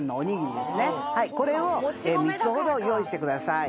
これを３つほど用意してください。